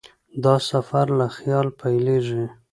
دا سفر له خیال پیلېږي.